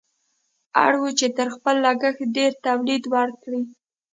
اړ وو چې تر خپل لګښت ډېر تولید وکړي.